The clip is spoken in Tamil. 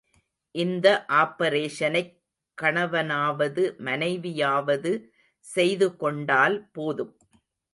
இந்த ஆப்பரேஷனைக் கணவனாவது மனைவியாவது செய்து கொண்டால் போதும்.